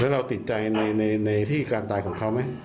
แล้วเราติดใจในที่การตายของเขาไหม